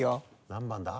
何番だ？